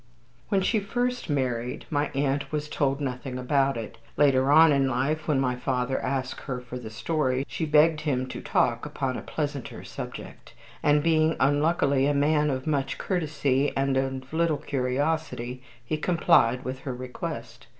When she first married, my aunt was told nothing about it. Later on in life, when my father asked her for the story, she begged him to talk upon a pleasanter subject; and being unluckily a man of much courtesy and little curiosity, he complied with her request.